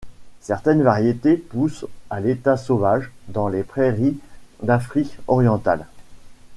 Certaines variétés poussent à l'état sauvage dans les prairies d'Afrique orientale.